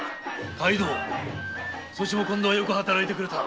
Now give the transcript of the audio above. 階堂そちも今度はよく働いてくれた。